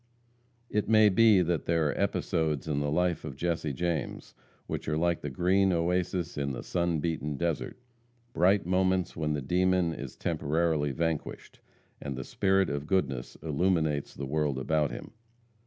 It may be that there are episodes in the life of Jesse James which are like the green oasis in the sun beaten desert bright moments when the demon is temporarily vanquished, and the spirit of goodness illuminates the world about him.